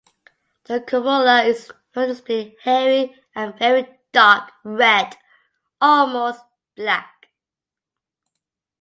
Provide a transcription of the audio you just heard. The Corolla is noticeably hairy and very dark red (almost black).